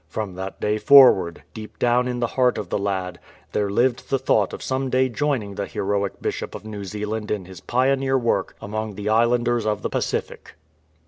From that day forward, deep down in the heart of the lad, there lived the 272 BISHOP SELWYN thought of some day joining the heroic Bishop of New Zealand in his pioneer work among the islanders of the Pacific.